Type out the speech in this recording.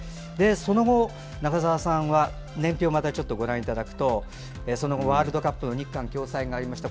その後、中澤さんは年表をまたご覧いただくとその後ワールドカップ日韓共催がありました。